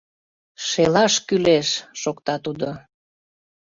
Шелаш кӱлеш! — шокта тудо.